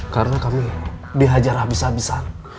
karena kami dihajar abis abisan